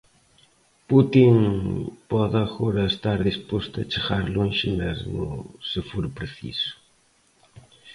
Putin pode agora estar disposto a chegar lonxe mesmo, se for preciso.